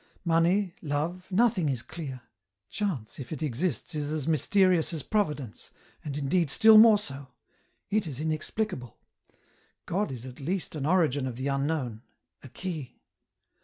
Money, love, nothing is clear ; chance if it exist is as mysterious as Providence, and indeed still more so ; it is inexplicable. God is at least an origin of the unknown, a key.